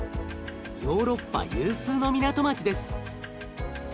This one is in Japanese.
ヨーロッパ有数の港町です。